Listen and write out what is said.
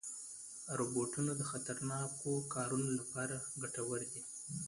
روبوټونه د خطرناکو کارونو لپاره ګټور دي.